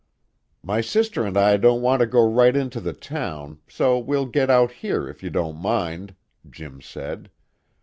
"My sister and I don't want to go right into the town, so we'll get out here if you don't mind," Jim said.